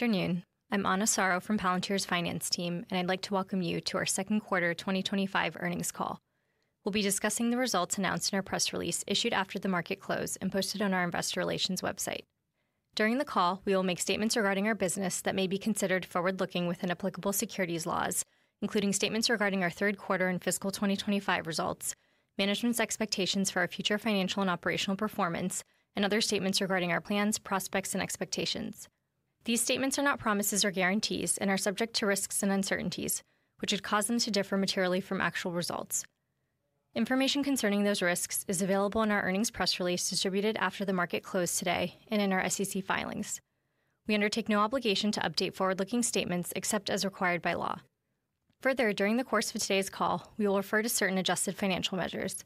Afternoon, I'm Ana Soro from Palantir's finance team, and I'd like to welcome you to our second quarter 2025 earnings call. We'll be discussing the results announced in our press release issued after the market close and posted on our investor relations website. During the call, we will make statements regarding our business that may be considered forward-looking within applicable securities laws, including statements regarding our third quarter and fiscal 2025 results, management's expectations for our future financial and operational performance, and other statements regarding our plans, prospects, and expectations. These statements are not promises or guarantees and are subject to risks and uncertainties, which could cause them to differ materially from actual results. Information concerning those risks is available in our earnings press release distributed after the market close today and in our SEC filings. We undertake no obligation to update forward-looking statements except as required by law. Further, during the course of today's call, we will refer to certain adjusted financial measures.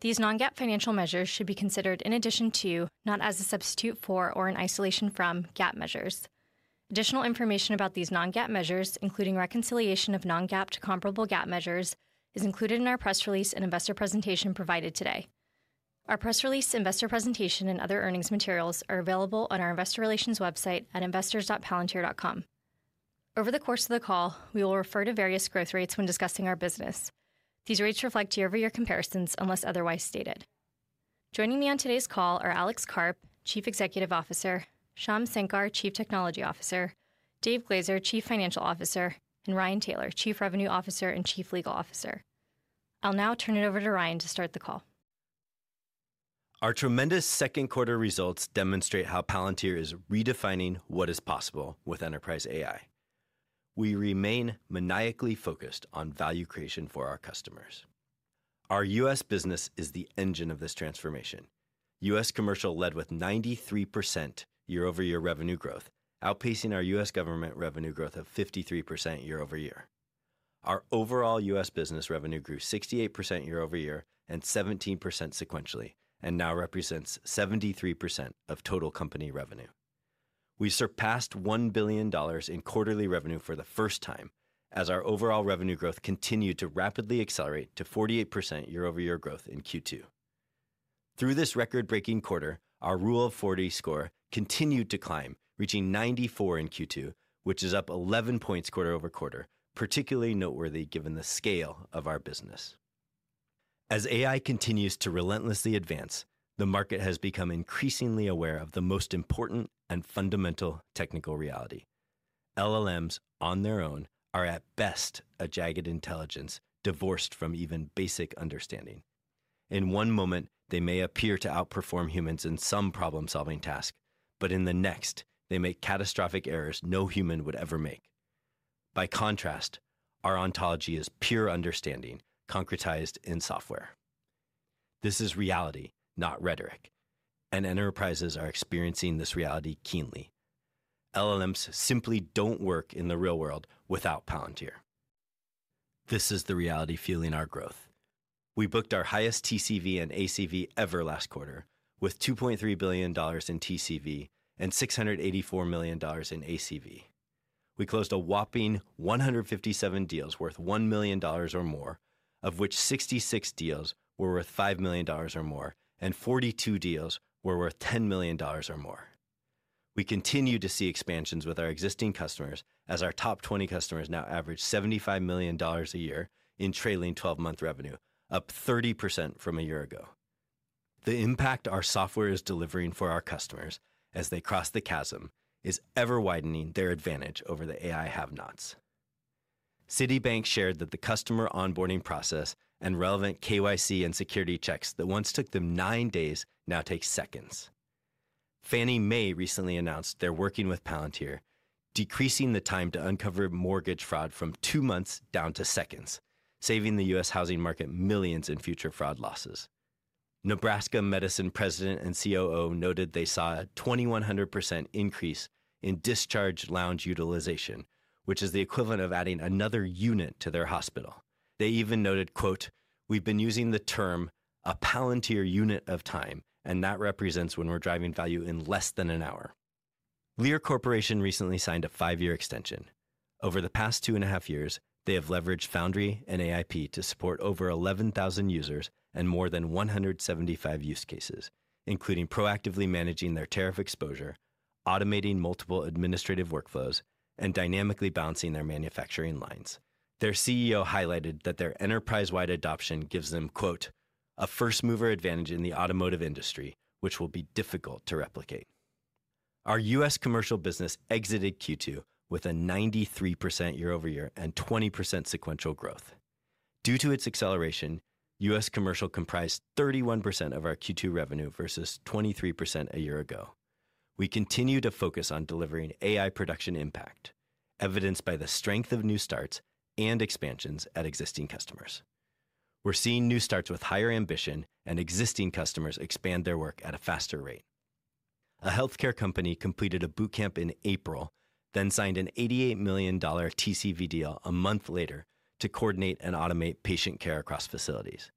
These non-GAAP financial measures should be considered in addition to, not as a substitute for, or in isolation from, GAAP measures. Additional information about these non-GAAP measures, including reconciliation of non-GAAP to comparable GAAP measures, is included in our press release and investor presentation provided today. Our press release, investor presentation, and other earnings materials are available on our investor relations website at investors.palantir.com. Over the course of the call, we will refer to various growth rates when discussing our business. These rates reflect year-over-year comparisons unless otherwise stated. Joining me on today's call are Alex Karp, Chief Executive Officer; Shyam Sankar, Chief Technology Officer; Dave Glazer, Chief Financial Officer; and Ryan Taylor, Chief Revenue Officer and Chief Legal Officer. I'll now turn it over to Ryan to start the call. Our tremendous second quarter results demonstrate how Palantir is redefining what is possible with enterprise AI. We remain maniacally focused on value creation for our customers. Our U.S. business is the engine of this transformation. U.S. commercial led with 93% year-over-year revenue growth, outpacing our U.S. government revenue growth of 53% year-over-year. Our overall U.S. business revenue grew 68% year-over-year and 17% sequentially, and now represents 73% of total company revenue. We surpassed $1 billion in quarterly revenue for the first time, as our overall revenue growth continued to rapidly accelerate to 48% year-over-year growth in Q2. Through this record-breaking quarter, our Rule of 40 score continued to climb, reaching 94% in Q2, which is up 11 points quarter over quarter, particularly noteworthy given the scale of our business. As AI continues to relentlessly advance, the market has become increasingly aware of the most important and fundamental technical reality. LLMs, on their own, are at best a jagged intelligence divorced from even basic understanding. In one moment, they may appear to outperform humans in some problem-solving task, but in the next, they make catastrophic errors no human would ever make. By contrast, our ontology is pure understanding concretized in software. This is reality, not rhetoric, and enterprises are experiencing this reality keenly. LLMs simply don't work in the real world without Palantir. This is the reality fueling our growth. We booked our highest TCV and ACV ever last quarter, with $2.3 billion in TCV and $684 million in ACV. We closed a whopping 157 deals worth $1 million or more, of which 66 deals were worth $5 million or more, and 42 deals were worth $10 million or more. We continue to see expansions with our existing customers, as our top 20 customers now average $75 million a year in trailing 12-month revenue, up 30% from a year ago. The impact our software is delivering for our customers as they cross the chasm is ever-widening their advantage over the AI have-nots. Citibank shared that the customer onboarding process and relevant KYC and security checks that once took them nine days now take seconds. Fannie Mae recently announced they're working with Palantir, decreasing the time to uncover mortgage fraud from two months down to seconds, saving the U.S. housing market millions in future fraud losses. Nebraska Medicine President and COO noted they saw a 2,100% increase in discharge lounge utilization, which is the equivalent of adding another unit to their hospital. They even noted, "We've been using the term a Palantir unit of time, and that represents when we're driving value in less than an hour." Lear Corporation recently signed a five-year extension. Over the past two and a half years, they have leveraged Foundry and AIP to support over 11,000 users and more than 175 use cases, including proactively managing their tariff exposure, automating multiple administrative workflows, and dynamically balancing their manufacturing lines. Their CEO highlighted that their enterprise-wide adoption gives them "a first-mover advantage in the automotive industry, which will be difficult to replicate." Our U.S. commercial business exited Q2 with a 93% year-over-year and 20% sequential growth. Due to its acceleration, U.S. commercial comprised 31% of our Q2 revenue versus 23% a year ago. We continue to focus on delivering AI production impact, evidenced by the strength of new starts and expansions at existing customers. We're seeing new starts with higher ambition, and existing customers expand their work at a faster rate. A healthcare company completed a bootcamp in April, then signed an $88 million TCV deal a month later to coordinate and automate patient care across facilities.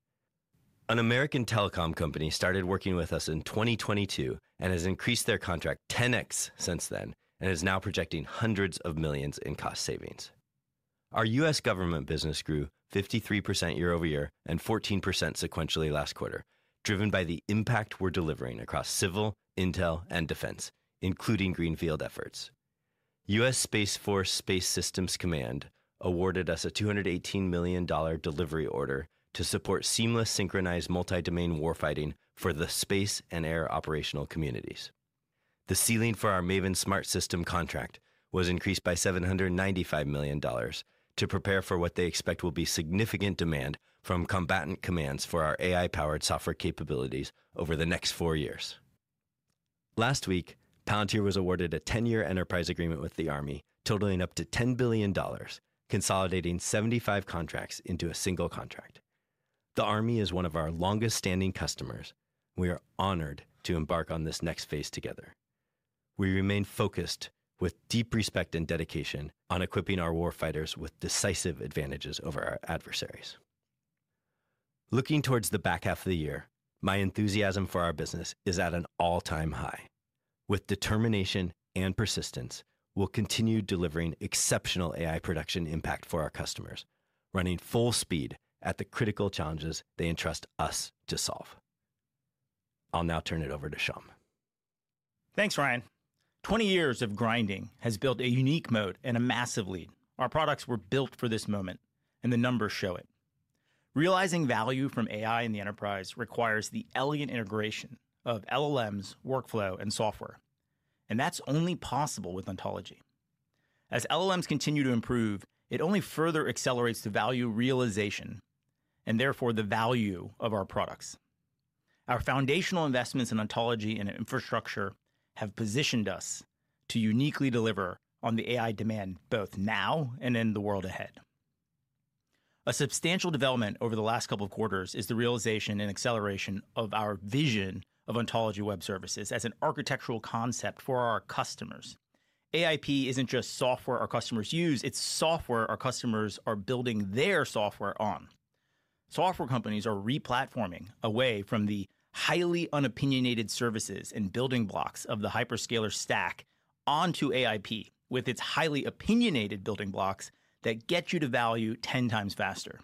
An American telecom company started working with us in 2022 and has increased their contract 10x since then and is now projecting hundreds of millions in cost savings. Our U.S. government business grew 53% year-over-year and 14% sequentially last quarter, driven by the impact we're delivering across civil, intel, and defense, including greenfield efforts. U.S. Space Force Space Systems Command awarded us a $218 million delivery order to support seamless synchronized multi-domain warfighting for the space and air operational communities. The ceiling for our Maven Smart System contract was increased by $795 million to prepare for what they expect will be significant demand from combatant commands for our AI-powered software capabilities over the next four years. Last week, Palantir was awarded a 10-year enterprise agreement with the U.S. Army, totaling up to $10 billion, consolidating 75 contracts into a single contract. The Army is one of our longest-standing customers. We are honored to embark on this next phase together. We remain focused, with deep respect and dedication, on equipping our warfighters with decisive advantages over our adversaries. Looking towards the back half of the year, my enthusiasm for our business is at an all-time high. With determination and persistence, we'll continue delivering exceptional AI production impact for our customers, running full speed at the critical challenges they entrust us to solve. I'll now turn it over to Shyam. Thanks, Ryan. Twenty years of grinding have built a unique moat and a massive lead. Our products were built for this moment, and the numbers show it. Realizing value from AI in the enterprise requires the elegant integration of LLMs, workflow, and software, and that's only possible with ontology. As LLMs continue to improve, it only further accelerates the value realization and therefore the value of our products. Our foundational investments in ontology and infrastructure have positioned us to uniquely deliver on the AI demand both now and in the world ahead. A substantial development over the last couple of quarters is the realization and acceleration of our vision of ontology web services as an architectural concept for our customers. AIP isn't just software our customers use; it's software our customers are building their software on. Software companies are replatforming away from the highly unopinionated services and building blocks of the hyperscaler stack onto AIP, with its highly opinionated building blocks that get you to value 10x faster.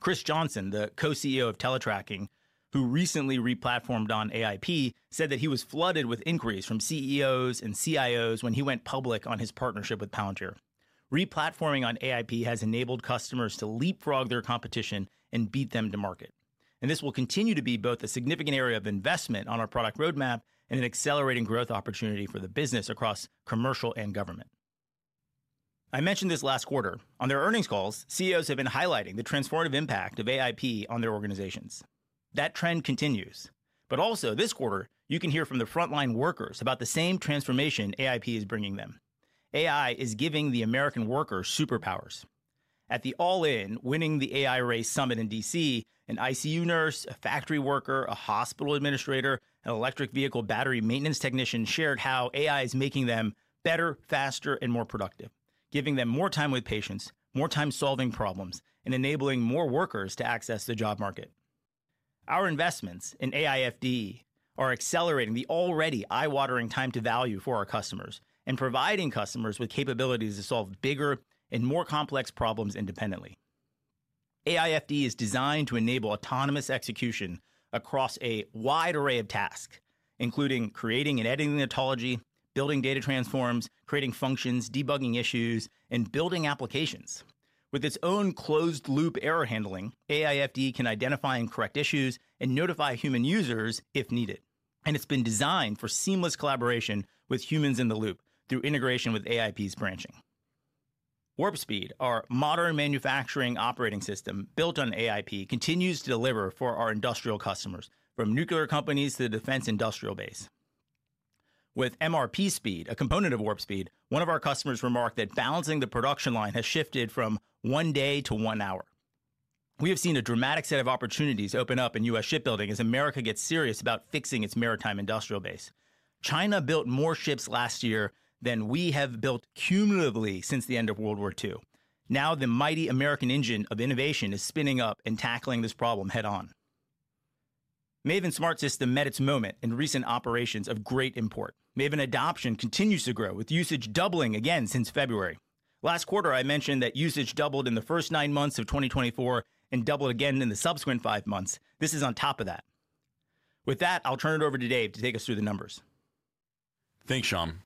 Chris Johnson, the co-CEO of TeleTracking, who recently replatformed on AIP, said that he was flooded with inquiries from CEOs and CIOs when he went public on his partnership with Palantir Technologies. Replatforming on AIP has enabled customers to leapfrog their competition and beat them to market, and this will continue to be both a significant area of investment on our product roadmap and an accelerating growth opportunity for the business across commercial and government. I mentioned this last quarter. On their earnings calls, CEOs have been highlighting the transformative impact of AIP on their organizations. That trend continues, but also this quarter you can hear from the frontline workers about the same transformation AIP is bringing them. AI is giving the American worker superpowers. At the All In Winning the AI Race Summit in D.C., an ICU nurse, a factory worker, a hospital administrator, and an electric vehicle battery maintenance technician shared how AI is making them better, faster, and more productive, giving them more time with patients, more time solving problems, and enabling more workers to access the job market. Our investments in AI FD are accelerating the already eye-watering time to value for our customers and providing customers with capabilities to solve bigger and more complex problems independently. AI FD is designed to enable autonomous execution across a wide array of tasks, including creating and editing the ontology, building data transforms, creating functions, debugging issues, and building applications. With its own closed loop error handling, AI FD can identify and correct issues and notify human users if needed, and it's been designed for seamless collaboration with humans in the loop through integration with AIP's branching. Warp Speed, our modern manufacturing operating system built on AIP, continues to deliver for our industrial customers, from nuclear companies to the defense industrial base. With MRP Speed, a component of Warp Speed, one of our customers remarked that balancing the production line has shifted from one day to one hour. We have seen a dramatic set of opportunities open up in U.S. shipbuilding as America gets serious about fixing its maritime industrial base. China built more ships last year than we have built cumulatively since the end of World War II. Now the mighty American engine of innovation is spinning up and tackling this problem head-on. Maven Smart System met its moment in recent operations of great import. Maven adoption continues to grow, with usage doubling again since February. Last quarter, I mentioned that usage doubled in the first nine months of 2024 and doubled again in the subsequent five months. This is on top of that. With that, I'll turn it over to Dave to take us through the numbers. Thanks, Shyam.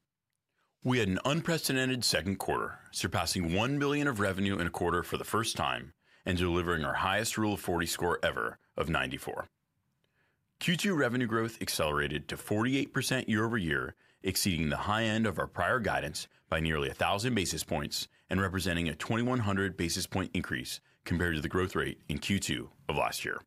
We had an unprecedented second quarter, surpassing $1 billion of revenue in a quarter for the first time and delivering our highest Rule of 40 score ever of 94. Q2 revenue growth accelerated to 48% year-over-year, exceeding the high end of our prior guidance by nearly 1,000 basis points and representing a 2,100 basis point increase compared to the growth rate in Q2 of last year.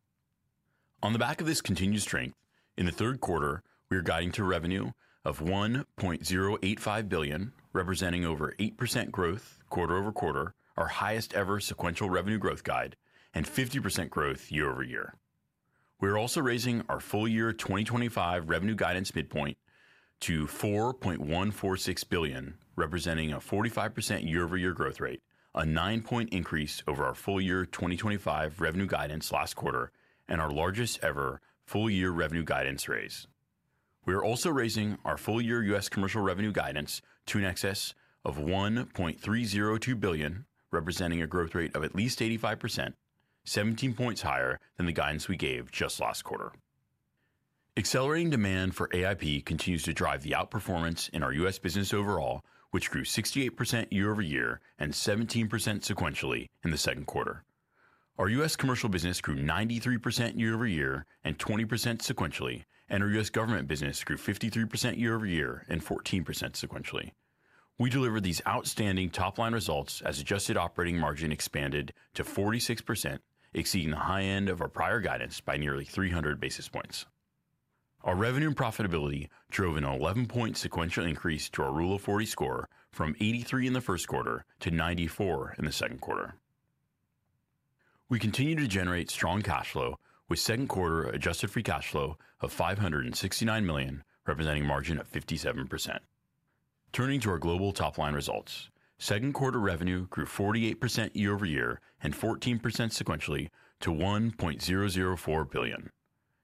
On the back of this continued strength, in the third quarter, we are guiding to revenue of $1.085 billion, representing over 8% growth quarter over quarter, our highest ever sequential revenue growth guide, and 50% growth year-over-year. We are also raising our full year 2025 revenue guidance midpoint to $4.146 billion, representing a 45% year-over-year growth rate, a 9-point increase over our full year 2025 revenue guidance last quarter, and our largest ever full year revenue guidance raise. We are also raising our full year U.S. commercial revenue guidance to in excess of $1.302 billion, representing a growth rate of at least 85%, 17 points higher than the guidance we gave just last quarter. Accelerating demand for AIP continues to drive the outperformance in our U.S. business overall, which grew 68% year-over-year and 17% sequentially in the second quarter. Our U.S. commercial business grew 93% year-over-year and 20% sequentially, and our U.S. government business grew 53% year-over-year and 14% sequentially. We deliver these outstanding top-line results as adjusted operating margin expanded to 46%, exceeding the high end of our prior guidance by nearly 300 basis points. Our revenue and profitability drove an 11-point sequential increase to our Rule of 40 score from 83 in the first quarter to 94 in the second quarter. We continue to generate strong cash flow with second quarter adjusted free cash flow of $569 million, representing a margin of 57%. Turning to our global top-line results, second quarter revenue grew 48% year-over-year and 14% sequentially to $1.004 billion.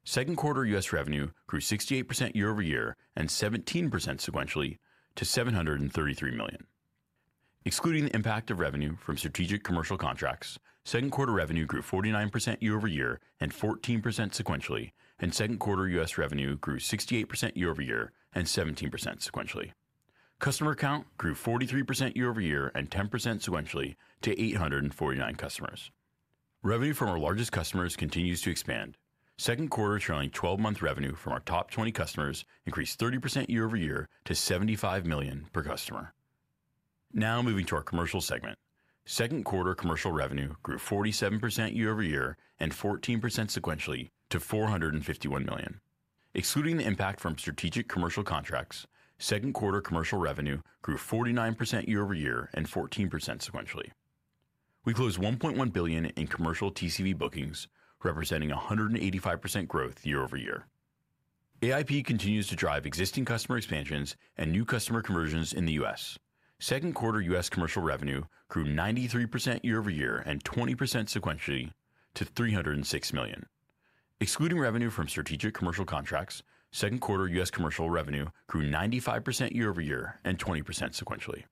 Second quarter U.S. revenue grew 68% year-over-year and 17% sequentially to $733 million. Excluding the impact of revenue from strategic commercial contracts, second quarter revenue grew 49% year-over-year and 14% sequentially, and second quarter U.S. revenue grew 68% year-over-year and 17% sequentially. Customer count grew 43% year-over-year and 10% sequentially to 849 customers. Revenue from our largest customers continues to expand. Second quarter's trailing 12-month revenue from our top 20 customers increased 30% year-over-year to $75 million per customer. Now moving to our commercial segment, second quarter commercial revenue grew 47% year-over-year and 14% sequentially to $451 million. Excluding the impact from strategic commercial contracts, second quarter commercial revenue grew 49% year-over-year and 14% sequentially. We closed $1.1 billion in commercial TCV bookings, representing 185% growth year-over-year. AIP continues to drive existing customer expansions and new customer conversions in the U.S. Second quarter U.S. commercial revenue grew 93% year-over-year and 20% sequentially to $306 million. Excluding revenue from strategic commercial contracts, second quarter U.S. commercial revenue grew 95% year-over-year and 20% sequentially.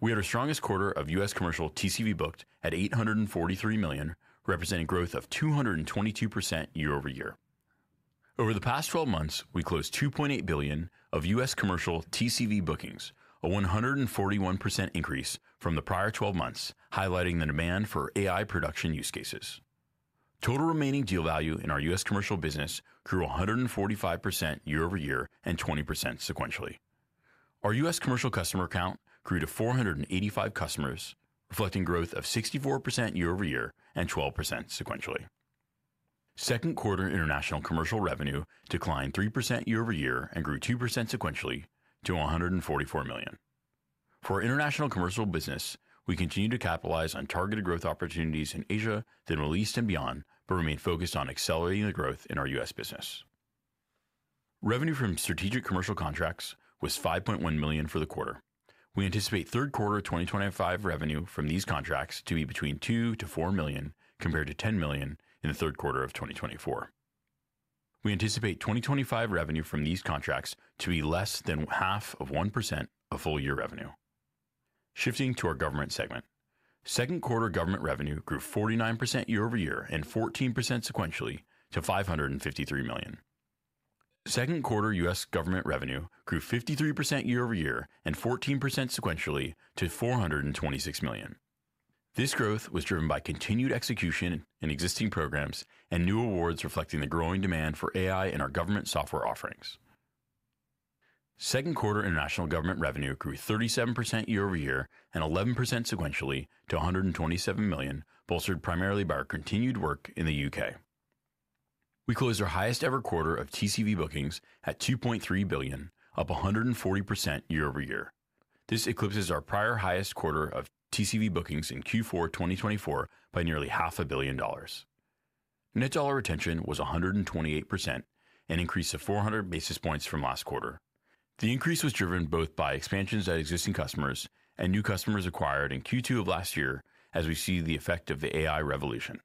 We had our strongest quarter of U.S. commercial TCV booked at $843 million, representing growth of 222% year-over-year. Over the past 12 months, we closed $2.8 billion of U.S. commercial TCV bookings, a 141% increase from the prior 12 months, highlighting the demand for AI production use cases. Total remaining deal value in our U.S. commercial business grew 145% year-over-year and 20% sequentially. Our U.S. commercial customer count grew to 485 customers, reflecting growth of 64% year-over-year and 12% sequentially. Second quarter international commercial revenue declined 3% year-over-year and grew 2% sequentially to $144 million. For our international commercial business, we continue to capitalize on targeted growth opportunities in Asia, then release them beyond, but remain focused on accelerating the growth in our U.S. business. Revenue from strategic commercial contracts was $5.1 million for the quarter. We anticipate third quarter 2025 revenue from these contracts to be between $2 million to $4 million, compared to $10 million in the third quarter of 2024. We anticipate 2025 revenue from these contracts to be less than half of 1% of full year revenue. Shifting to our government segment, second quarter government revenue grew 49% year-over-year and 14% sequentially to $553 million. Second quarter U.S. Government revenue grew 53% year-over-year and 14% sequentially to $426 million. This growth was driven by continued execution in existing programs and new awards, reflecting the growing demand for AI in our government software offerings. Second quarter international government revenue grew 37% year-over-year and 11% sequentially to $127 million, bolstered primarily by our continued work in the U.K. We closed our highest ever quarter of TCV bookings at $2.3 billion, up 140% year-over-year. This eclipses our prior highest quarter of TCV bookings in Q4 2024 by nearly half a billion dollars. Net dollar retention was 128% and increased 400 basis points from last quarter. The increase was driven both by expansions at existing customers and new customers acquired in Q2 of last year, as we see the effect of the AI revolution.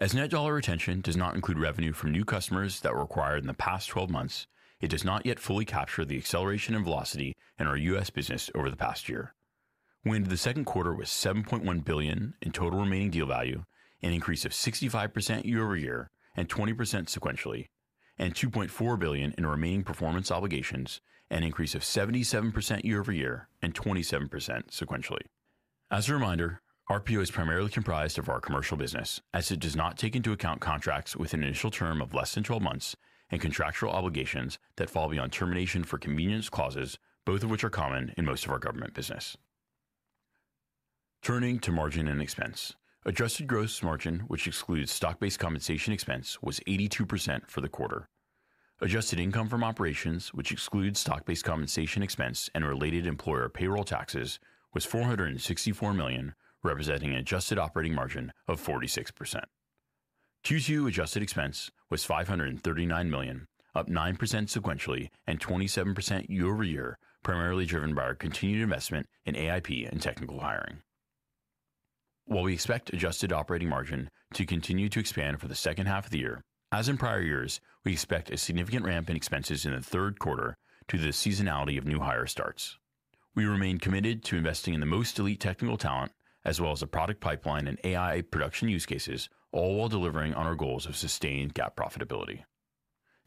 As net dollar retention does not include revenue from new customers that were acquired in the past 12 months, it does not yet fully capture the acceleration in velocity in our U.S. business over the past year. We ended the second quarter with $7.1 billion in total remaining deal value, an increase of 65% year-over-year and 20% sequentially, and $2.4 billion in remaining performance obligations, an increase of 77% year-over-year and 27% sequentially. As a reminder, our RPO is primarily comprised of our commercial business, as it does not take into account contracts with an initial term of less than 12 months and contractual obligations that fall beyond termination for convenience clauses, both of which are common in most of our government business. Turning to margin and expense, adjusted gross margin, which excludes stock-based compensation expense, was 82% for the quarter. Adjusted income from operations, which excludes stock-based compensation expense and related employer payroll taxes, was $464 million, representing an adjusted operating margin of 46%. Q2 adjusted expense was $539 million, up 9% sequentially and 27% year-over-year, primarily driven by our continued investment in AIP and technical hiring. While we expect adjusted operating margin to continue to expand for the second half of the year, as in prior years, we expect a significant ramp in expenses in the third quarter due to the seasonality of new hire starts. We remain committed to investing in the most elite technical talent, as well as the product pipeline and AI production use cases, all while delivering on our goals of sustained GAAP profitability.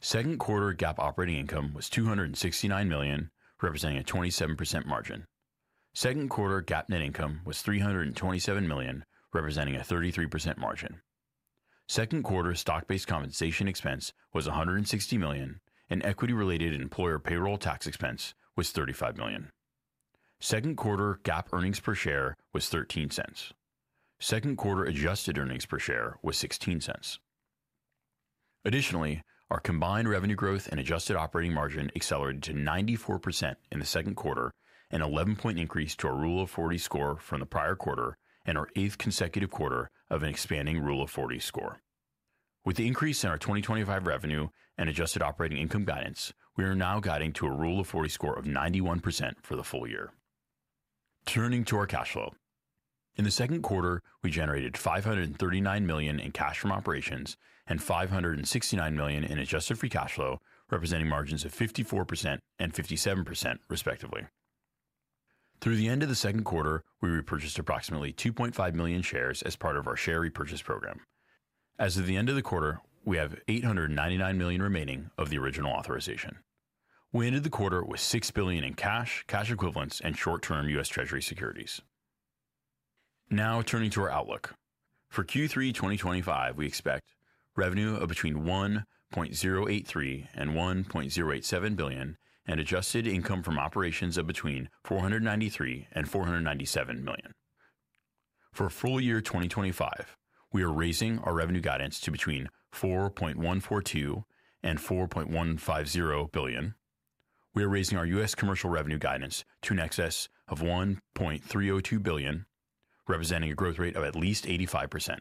Second quarter GAAP operating income was $269 million, representing a 27% margin. Second quarter GAAP net income was $327 million, representing a 33% margin. Second quarter stock-based compensation expense was $160 million, and equity-related employer payroll tax expense was $35 million. Second quarter GAAP earnings per share was $0.13. Second quarter adjusted earnings per share was $0.16. Additionally, our combined revenue growth and adjusted operating margin accelerated to 94% in the second quarter, an 11-point increase to our Rule of 40 score from the prior quarter and our eighth consecutive quarter of an expanding Rule of 40 score. With the increase in our 2025 revenue and adjusted operating income guidance, we are now guiding to a Rule of 40 score of 91% for the full year. Turning to our cash flow, in the second quarter, we generated $539 million in cash from operations and $569 million in adjusted free cash flow, representing margins of 54% and 57% respectively. Through the end of the second quarter, we repurchased approximately 2.5 million shares as part of our share repurchase program. As of the end of the quarter, we have $899 million remaining of the original authorization. We ended the quarter with $6 billion in cash, cash equivalents, and short-term U.S. Treasury securities. Now turning to our outlook, for Q3 2025, we expect revenue of between $1.083 billion and $1.087 billion and adjusted income from operations of between $493 million and $497 million. For full year 2025, we are raising our revenue guidance to between $4.142 billion and $4.150 billion. We are raising our U.S. commercial revenue guidance to in excess of $1.302 billion, representing a growth rate of at least 85%.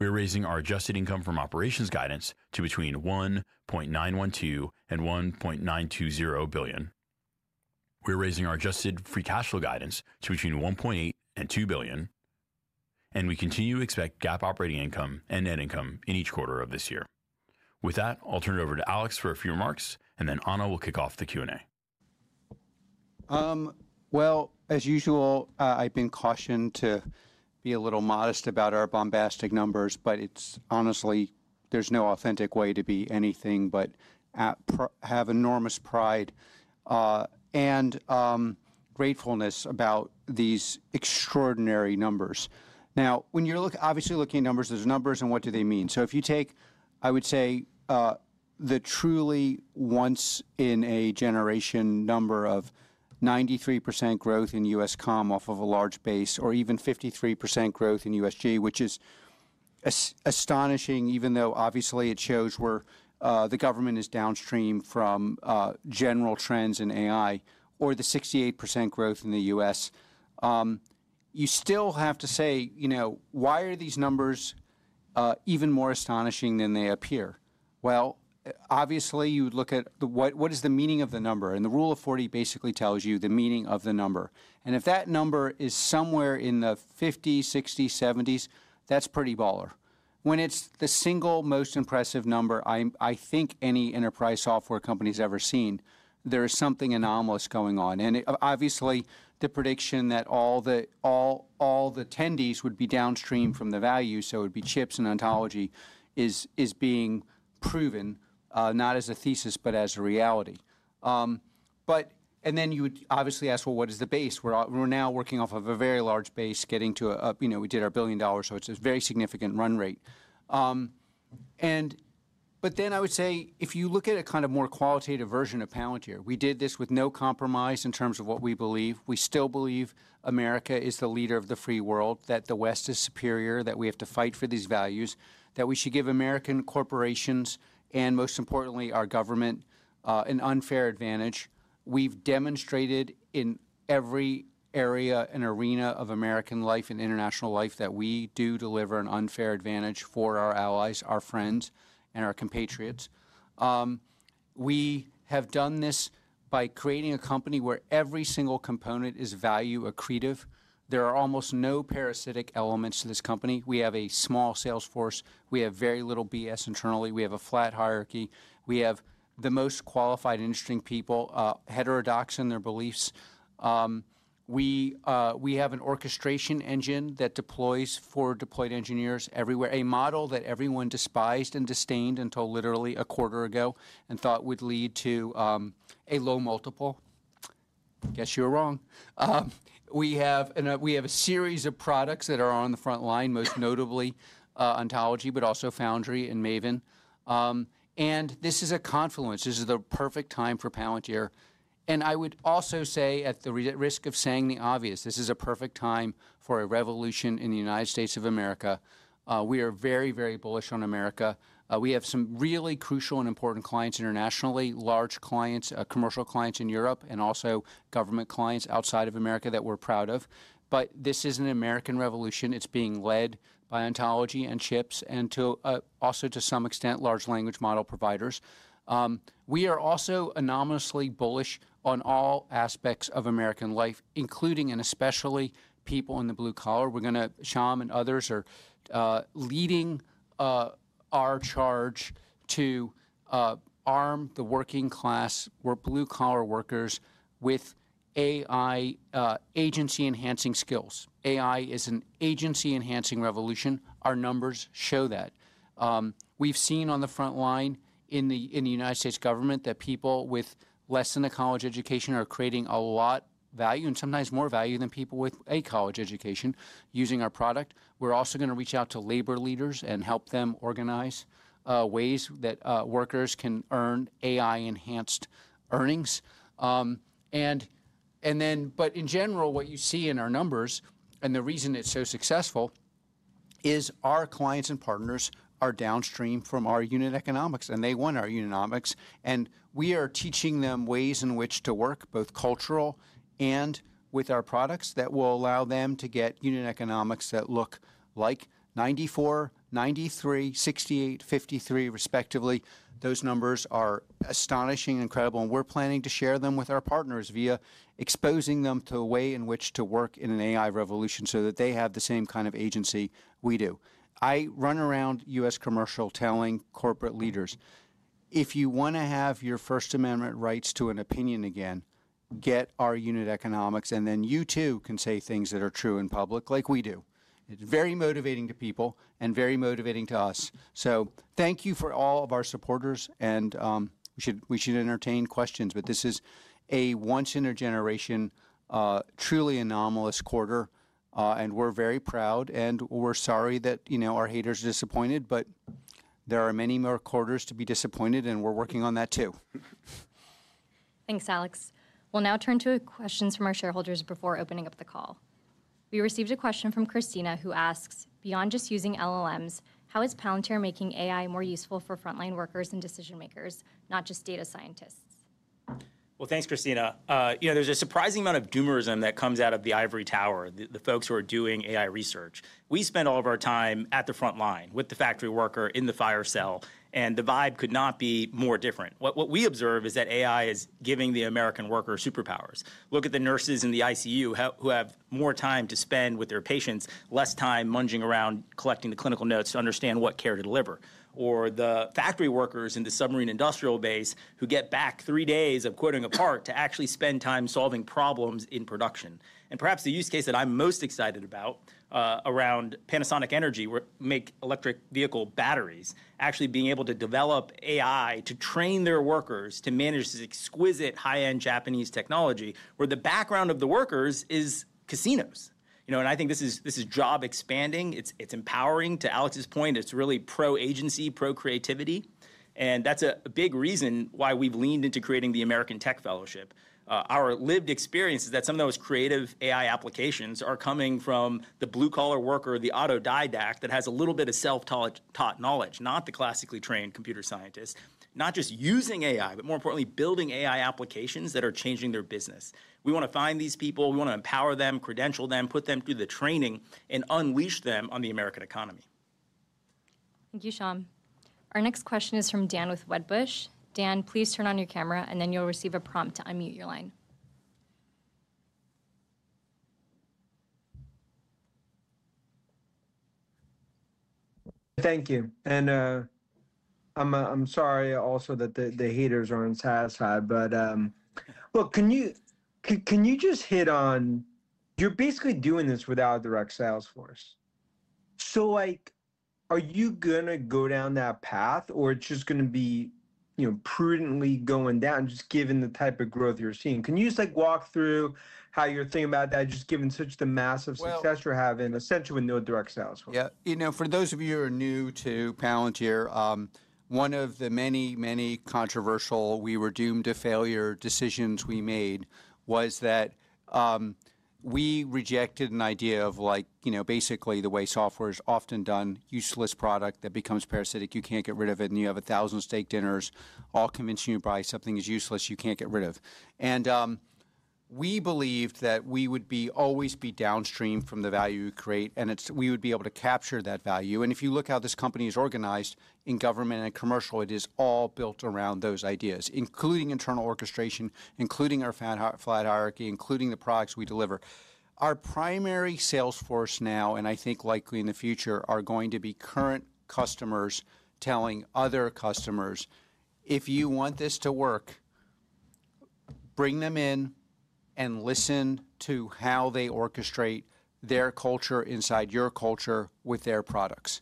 We are raising our adjusted income from operations guidance to between $1.912 billion and $1.920 billion. We are raising our adjusted free cash flow guidance to between $1.8 billion and $2 billion, and we continue to expect GAAP operating income and net income in each quarter of this year. With that, I'll turn it over to Alex for a few remarks, and then Ana will kick off the Q&A. I've been cautioned to be a little modest about our bombastic numbers, but honestly, there's no authentic way to be anything but have enormous pride and gratefulness about these extraordinary numbers. When you're obviously looking at numbers, there's numbers and what do they mean? If you take, I would say, the truly once-in-a-generation number of 93% growth in U.S. comms off of a large base or even 53% growth in U.S. GAIN, which is astonishing, even though obviously it shows where the government is downstream from general trends in AI, or the 68% growth in the U.S., you still have to say, you know, why are these numbers even more astonishing than they appear? Obviously you would look at what is the meaning of the number, and the Rule of 40 basically tells you the meaning of the number. If that number is somewhere in the 50s, 60s, 70s, that's pretty baller. When it's the single most impressive number I think any enterprise software company has ever seen, there is something anomalous going on. The prediction that all the attendees would be downstream from the value, so it would be chips and ontology, is being proven, not as a thesis, but as a reality. You would obviously ask, what is the base? We're now working off of a very large base, getting to a, you know, we did our billion dollars, so it's a very significant run rate. I would say, if you look at a kind of more qualitative version of Palantir Technologies. We did this with no compromise in terms of what we believe. We still believe America is the leader of the free world, that the West is superior, that we have to fight for these values, that we should give American corporations and, most importantly, our government an unfair advantage. We've demonstrated in every area and arena of American life and international life that we do deliver an unfair advantage for our allies, our friends, and our compatriots. We have done this by creating a company where every single component is value accretive. There are almost no parasitic elements to this company. We have a small sales force. We have very little BS internally. We have a flat hierarchy. We have the most qualified and interesting people, heterodox in their beliefs. We have an orchestration engine that deploys for deployed engineers everywhere, a model that everyone despised and disdained until literally a quarter ago and thought would lead to a low multiple. Guess you were wrong. We have a series of products that are on the front line, most notably ontology, but also Foundry and Maven. This is a confluence. This is the perfect time for Palantir. I would also say, at the risk of saying the obvious, this is a perfect time for a revolution in the United States of America. We are very, very bullish on America. We have some really crucial and important clients internationally, large clients, commercial clients in Europe, and also government clients outside of America that we're proud of. This is an American revolution. It's being led by ontology and chips and also to some extent large language model providers. We are also anomalously bullish on all aspects of American life, including and especially people in the blue collar. We're going to, Shyam and others are leading our charge to arm the working class, where blue collar workers with AI agency-enhancing skills. AI is an agency-enhancing revolution. Our numbers show that. We've seen on the front line in the United States government that people with less than a college education are creating a lot of value and sometimes more value than people with a college education using our product. We're also going to reach out to labor leaders and help them organize ways that workers can earn AI-enhanced earnings. In general, what you see in our numbers, and the reason it's so successful, is our clients and partners are downstream from our unit economics, and they want our unit economics. We are teaching them ways in which to work, both cultural and with our products that will allow them to get unit economics that look like 94, 93, 68, 53, respectively. Those numbers are astonishing and incredible, and we're planning to share them with our partners via exposing them to a way in which to work in an AI revolution so that they have the same kind of agency we do. I run around U.S. commercial telling corporate leaders, if you want to have your First Amendment rights to an opinion again, get our unit economics, and then you too can say things that are true in public like we do. It's very motivating to people and very motivating to us. Thank you for all of our supporters, and we should entertain questions. This is a once-in-a-generation truly anomalous quarter, and we're very proud, and we're sorry that, you know, our haters are disappointed, but there are many more quarters to be disappointed, and we're working on that too. Thanks, Alex. We'll now turn to questions from our shareholders before opening up the call. We received a question from Christina, who asks, "Beyond just using LLMs, how is Palantir making AI more useful for frontline workers and decision makers, not just data scientists? Thanks, Christina. There's a surprising amount of doomerism that comes out of the ivory tower, the folks who are doing AI research. We spend all of our time at the front line with the factory worker in the fire cell, and the vibe could not be more different. What we observe is that AI is giving the American worker superpowers. Look at the nurses in the ICU who have more time to spend with their patients, less time munching around, collecting the clinical notes to understand what care to deliver. The factory workers in the submarine industrial base get back three days of quoting a part to actually spend time solving problems in production. Perhaps the use case that I'm most excited about is around Panasonic Energy, where they make electric vehicle batteries, actually being able to develop AI to train their workers to manage this exquisite high-end Japanese technology where the background of the workers is casinos. I think this is job expanding. It's empowering. To Alex's point, it's really pro-agency, pro-creativity, and that's a big reason why we've leaned into creating the American Tech Fellowship. Our lived experience is that some of those creative AI applications are coming from the blue-collar worker, the autodidact that has a little bit of self-taught knowledge, not the classically trained computer scientist, not just using AI, but more importantly, building AI applications that are changing their business. We want to find these people. We want to empower them, credential them, put them through the training, and unleash them on the American economy. Thank you, Shyam. Our next question is from Dan with Wedbush. Dan, please turn on your camera, and then you'll receive a prompt to unmute your line. Thank you. I'm sorry also that the haters are on the sad side, but look, can you just hit on, you're basically doing this without a direct sales force. Are you going to go down that path or is it just going to be, you know, prudently going down just given the type of growth you're seeing? Can you just walk through how you're thinking about that just given such the massive success you're having essentially with no direct sales force? Yeah, you know, for those of you who are new to Palantir, one of the many, many controversial, we were doomed to failure decisions we made was that we rejected an idea of like, you know, basically the way software is often done, useless product that becomes parasitic, you can't get rid of it, and you have a thousand steak dinners all convincing you to buy something that's useless you can't get rid of. We believed that we would always be downstream from the value we create, and we would be able to capture that value. If you look at how this company is organized in government and commercial, it is all built around those ideas, including internal orchestration, including our flat hierarchy, including the products we deliver. Our primary sales force now, and I think likely in the future, are going to be current customers telling other customers, if you want this to work, bring them in and listen to how they orchestrate their culture inside your culture with their products.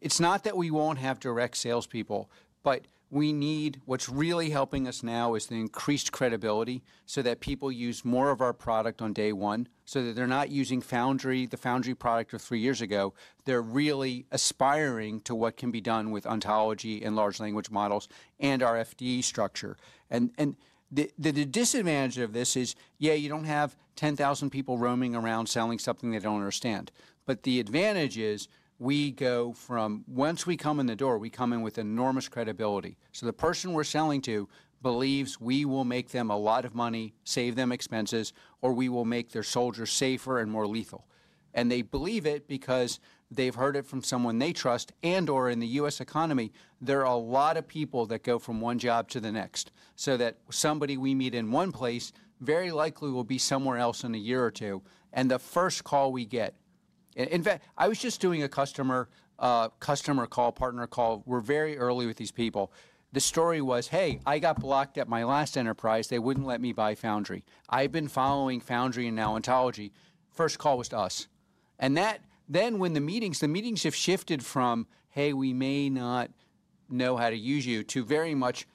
It's not that we won't have direct salespeople, but what’s really helping us now is the increased credibility so that people use more of our product on day one, so that they're not using Foundry, the Foundry product of three years ago. They're really aspiring to what can be done with ontology and large language models and our FDE structure. The disadvantage of this is, yeah, you don't have 10,000 people roaming around selling something they don't understand. The advantage is we go from, once we come in the door, we come in with enormous credibility. The person we're selling to believes we will make them a lot of money, save them expenses, or we will make their soldiers safer and more lethal. They believe it because they've heard it from someone they trust, and/or in the U.S. economy, there are a lot of people that go from one job to the next. Somebody we meet in one place very likely will be somewhere else in a year or two, and the first call we get, in fact, I was just doing a customer call, partner call. We're very early with these people. The story was, hey, I got blocked at my last enterprise. They wouldn't let me buy Foundry. I've been following Foundry and now ontology. First call was to us. When the meetings, the meetings have shifted from, hey, we may not know how to use you to very much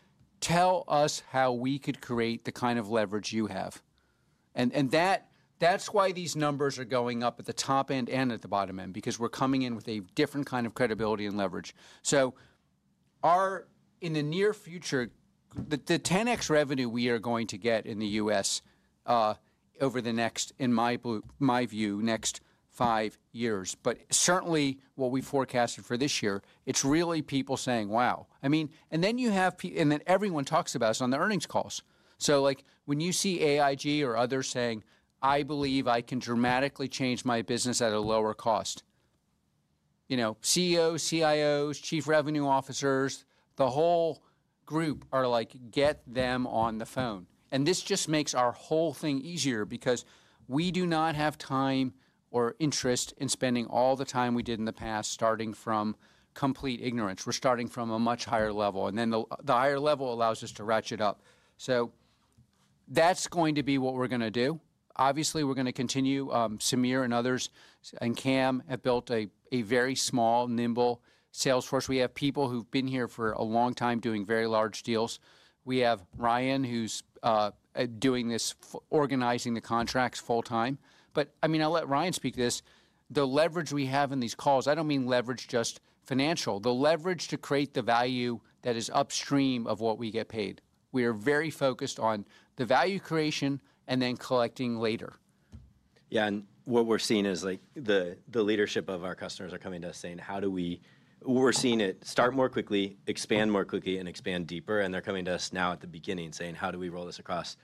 tell us how we could create the kind of leverage you have. That is why these numbers are going up at the top end and at the bottom end, because we're coming in with a different kind of credibility and leverage. In the near future, the 10x revenue we are going to get in the U.S. over the next, in my view, next five years. Certainly what we forecasted for this year, it's really people saying, wow. You have people, and then everyone talks about us on the earnings calls. When you see AIG or others saying, I believe I can dramatically change my business at a lower cost. CEOs, CIOs, Chief Revenue Officers, the whole group are like, get them on the phone. This just makes our whole thing easier because we do not have time or interest in spending all the time we did in the past, starting from complete ignorance. We're starting from a much higher level, and the higher level allows us to ratchet up. That is going to be what we're going to do. Obviously, we're going to continue. Samir and others and Cam have built a very small, nimble sales force. We have people who've been here for a long time doing very large deals. We have Ryan, who's doing this, organizing the contracts full time. I'll let Ryan speak to this. The leverage we have in these calls, I don't mean leverage just financial, the leverage to create the value that is upstream of what we get paid. We are very focused on the value creation and then collecting later. Yeah, what we're seeing is the leadership of our customers are coming to us saying, how do we, we're seeing it start more quickly, expand more quickly, and expand deeper. They're coming to us now at the beginning saying, how do we roll this across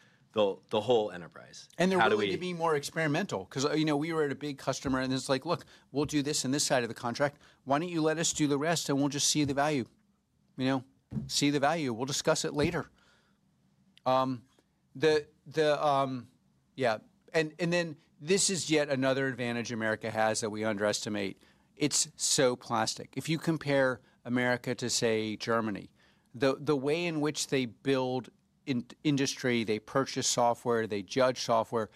the whole enterprise? They are wanting to be more experimental because, you know, we were at a big customer and it's like, look, we'll do this in this side of the contract. Why don't you let us do the rest and we'll just see the value, you know, see the value. We'll discuss it later. This is yet another advantage America has that we underestimate. It's so plastic. If you compare America to, say, Germany, the way in which they build industry, they purchase software, they judge software,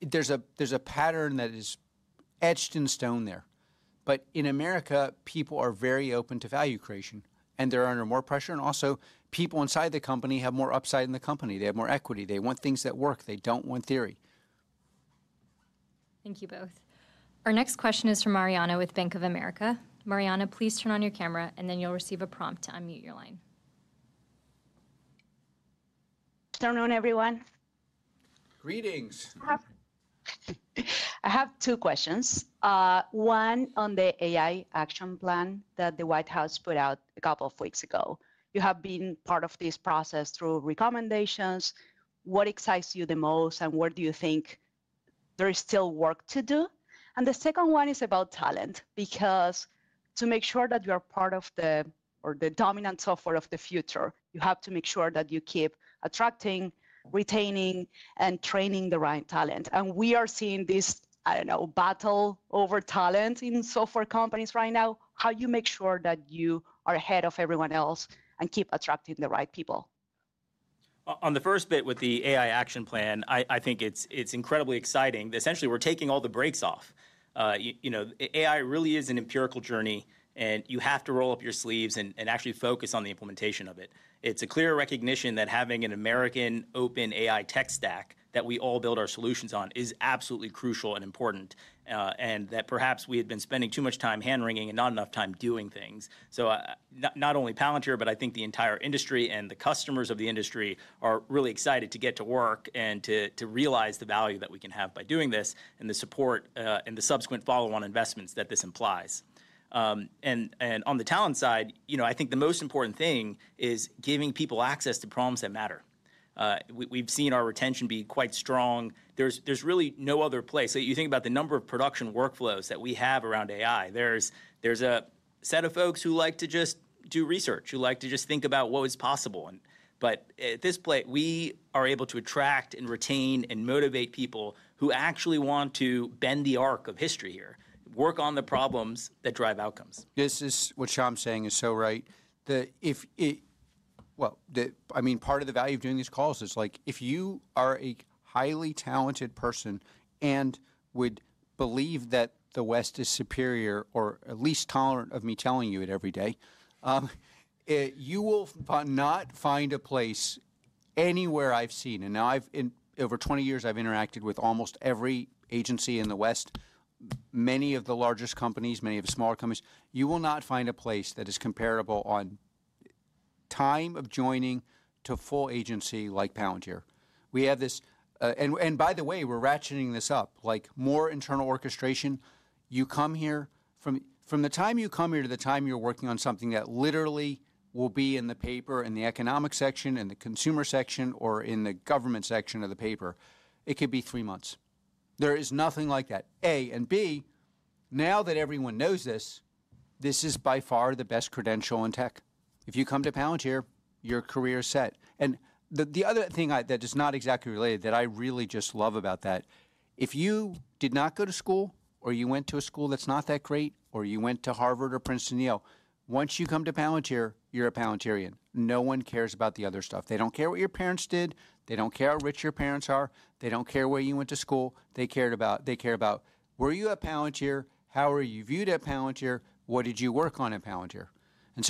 there's a pattern that is etched in stone there. In America, people are very open to value creation and they're under more pressure. Also, people inside the company have more upside in the company. They have more equity. They want things that work. They don't want theory. Thank you both. Our next question is from Mariana with Bank of America. Mariana, please turn on your camera and then you'll receive a prompt to unmute your line. Good afternoon, everyone. Greetings. I have two questions. One on the AI action plan that the White House put out a couple of weeks ago. You have been part of this process through recommendations. What excites you the most, and where do you think there is still work to do? The second one is about talent because to make sure that you are part of the dominant software of the future, you have to make sure that you keep attracting, retaining, and training the right talent. We are seeing this, I don't know, battle over talent in software companies right now. How do you make sure that you are ahead of everyone else and keep attracting the right people? On the first bit with the AI action plan, I think it's incredibly exciting that essentially we're taking all the brakes off. You know, AI really is an empirical journey and you have to roll up your sleeves and actually focus on the implementation of it. It's a clear recognition that having an American open AI tech stack that we all build our solutions on is absolutely crucial and important, and that perhaps we had been spending too much time hand-wringing and not enough time doing things. Not only Palantir Technologies, but I think the entire industry and the customers of the industry are really excited to get to work and to realize the value that we can have by doing this and the support and the subsequent follow-on investments that this implies. On the talent side, I think the most important thing is giving people access to problems that matter. We've seen our retention be quite strong. There's really no other place. You think about the number of production workflows that we have around AI. There's a set of folks who like to just do research, who like to just think about what is possible. At this point, we are able to attract and retain and motivate people who actually want to bend the arc of history here, work on the problems that drive outcomes. This is what Shyam's saying is so right, that if it, I mean, part of the value of doing these calls is like if you are a highly talented person and would believe that the West is superior or at least tolerant of me telling you it every day, you will not find a place anywhere I've seen. In over 20 years, I've interacted with almost every agency in the West, many of the largest companies, many of the smaller companies, you will not find a place that is comparable on time of joining to full agency like Palantir. We have this, and by the way, we're ratcheting this up, like more internal orchestration. You come here, from the time you come here to the time you're working on something that literally will be in the paper in the economic section and the consumer section or in the government section of the paper, it could be three months. There is nothing like that. A, now that everyone knows this, this is by far the best credential in tech. If you come to Palantir, your career is set. The other thing that is not exactly related that I really just love about that, if you did not go to school or you went to a school that's not that great or you went to Harvard or Princeton or Yale, once you come to Palantir, you're a Palantir-ian. No one cares about the other stuff. They don't care what your parents did. They don't care how rich your parents are. They don't care where you went to school. They care about where you're at Palantir. How are you viewed at Palantir? What did you work on at Palantir?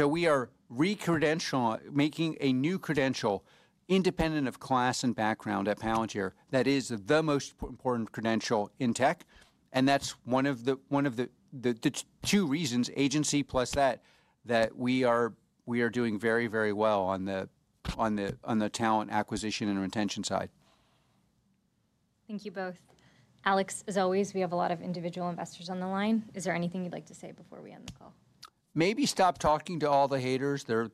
We are recredentialing, making a new credential independent of class and background at Palantir. That is the most important credential in tech. That's one of the two reasons, agency plus that, that we are doing very, very well on the talent acquisition and retention side. Thank you both. Alex, as always, we have a lot of individual investors on the line. Is there anything you'd like to say before we end the call? Maybe stop talking to all the haters. They're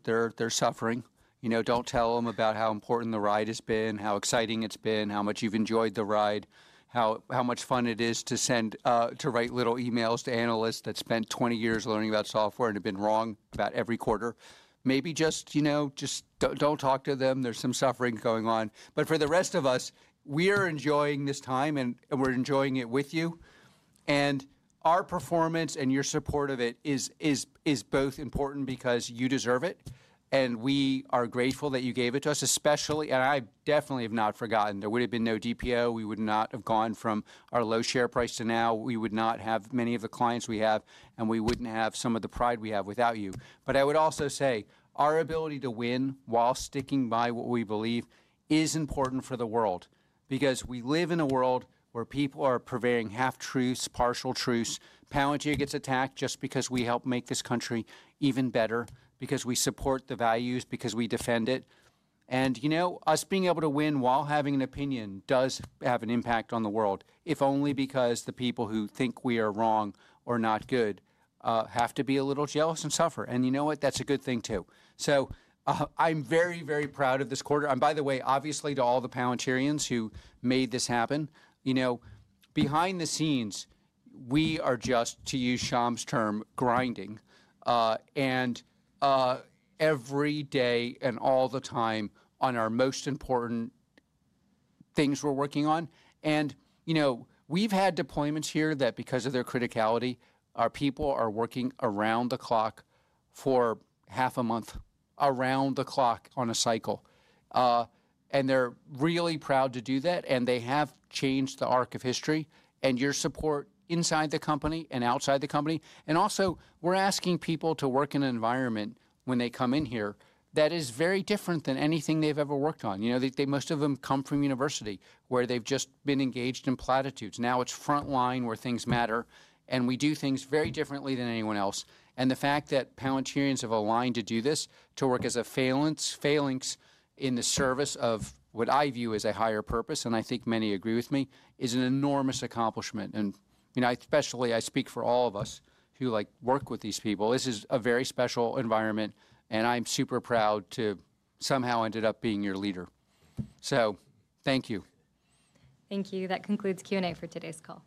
suffering. Don't tell them about how important the ride has been, how exciting it's been, how much you've enjoyed the ride, how much fun it is to write little emails to analysts that spent 20 years learning about software and have been wrong about every quarter. Maybe just, you know, just don't talk to them. There's some suffering going on. For the rest of us, we are enjoying this time and we're enjoying it with you. Our performance and your support of it is both important because you deserve it. We are grateful that you gave it to us, especially, and I definitely have not forgotten. There would have been no DPO. We would not have gone from our low share price to now. We would not have many of the clients we have, and we wouldn't have some of the pride we have without you. I would also say our ability to win while sticking by what we believe is important for the world because we live in a world where people are prevailing half-truths, partial truths. Palantir gets attacked just because we help make this country even better, because we support the values, because we defend it. Us being able to win while having an opinion does have an impact on the world, if only because the people who think we are wrong or not good have to be a little jealous and suffer. You know what? That's a good thing too. I'm very, very proud of this quarter. By the way, obviously to all the Palantirians who made this happen, behind the scenes, we are just, to use Shyam's term, grinding. Every day and all the time on our most important things we're working on. We've had deployments here that because of their criticality, our people are working around the clock for half a month, around the clock on a cycle. They're really proud to do that. They have changed the arc of history and your support inside the company and outside the company. Also, we're asking people to work in an environment when they come in here that is very different than anything they've ever worked on. Most of them come from university where they've just been engaged in platitudes. Now it's frontline where things matter. We do things very differently than anyone else. The fact that Palantirians have aligned to do this, to work as a phalanx in the service of what I view as a higher purpose, and I think many agree with me, is an enormous accomplishment. Especially I speak for all of us who like work with these people. This is a very special environment. I'm super proud to somehow ended up being your leader. Thank you. Thank you. That concludes Q&A for today's call.